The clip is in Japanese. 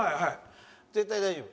絶対大丈夫。